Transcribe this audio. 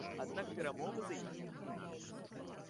Аднак перамовы зайшлі ў тупік.